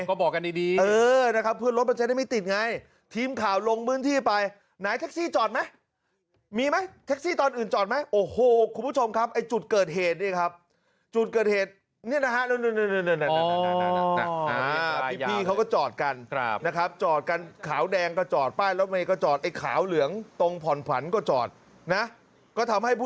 ก็บอกกันดีเออนะครับเพื่อนรถมันจะได้ไม่ติดไงทีมข่าวลงบื้นที่ไปไหนแท็กซี่จอดไหมมีไหมแท็กซี่ตอนอื่นจอดไหม